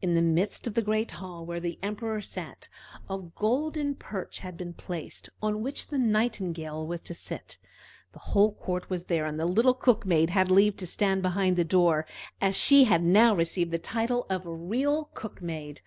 In the midst of the great hall, where the Emperor sat, a golden perch had been placed, on which the Nightingale was to sit. The whole court was there, and the little Cook maid had leave to stand behind the door, as she had now received the title of a real cook maid.